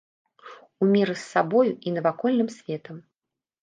У міры з сабой і навакольным светам.